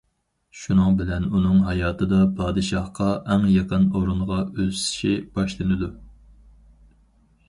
شۇنىڭ بىلەن ئۇنىڭ ھاياتىدا پادىشاھقا ئەڭ يېقىن ئورۇنغا ئۆسۈشى باشلىنىدۇ.